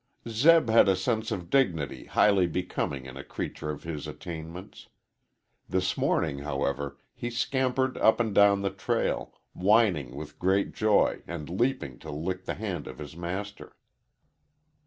Zeb had a sense of dignity highly becoming in a creature of his attainments. This morning, however, he scampered up and down the trail, whining with great joy and leaping to lick the hand of his master.